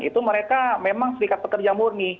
itu mereka memang serikat pekerja murni